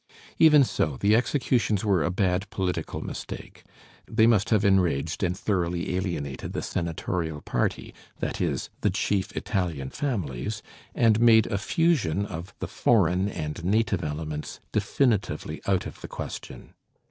Even so, the executions were a bad political mistake: they must have enraged and thoroughly alienated the Senatorial party, that is, the chief Italian families, and made a fusion of the foreign and native elements definitively out of the question.